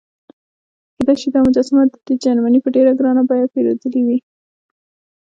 کېدای شي دا مجسمې دې جرمني په ډېره ګرانه بیه پیرودلې وي.